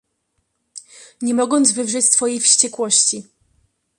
"nie mogąc wywrzeć swojej wściekłości!"